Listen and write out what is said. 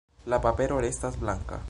La papero restas blanka.